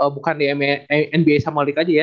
bukan di nba summer league aja ya